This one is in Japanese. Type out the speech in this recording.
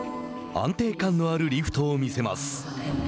安定感のあるリフトを見せます。